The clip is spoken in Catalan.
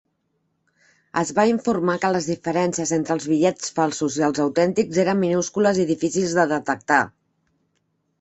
Es va informar que les diferències entre els bitllets falsos i els autèntics eren minúscules i difícils de detectar.